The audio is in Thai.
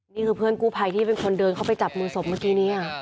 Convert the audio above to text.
นี่คือเพื่อนกู้ภัยที่เป็นคนเดินเข้าไปจับมือศพเมื่อกี้นี้